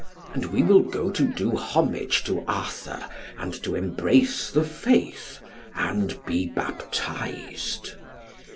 And we will go to do homage to Arthur, and to embrace the faith, and be baptized."